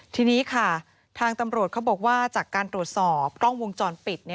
ทีนี้ค่ะทางตำรวจเขาบอกว่าจากการตรวจสอบกล้องวงจรปิด